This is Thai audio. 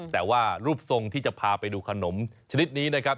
แต่ว่ารูปทรงที่จะพาไปดูขนมชนิดนี้นะครับ